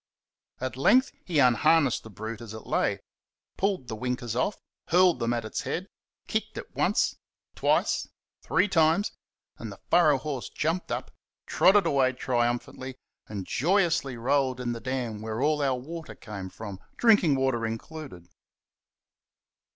At length he unharnessed the brute as it lay pulled the winkers off, hurled them at its head, kicked it once twice three times and the furrow horse jumped up, trotted away triumphantly, and joyously rolled in the dam where all our water came from, drinking water included.